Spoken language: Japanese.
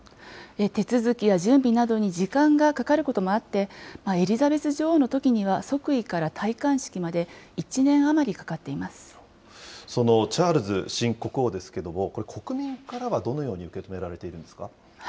手続きや準備などに時間がかかることもあって、エリザベス女王のときには即位から戴冠式まで１年そのチャールズ新国王ですけれども、これ、国民からはどのように受け止められているんですか。